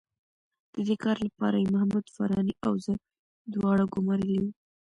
د دې کار لپاره یې محمود فاراني او زه دواړه ګومارلي وو.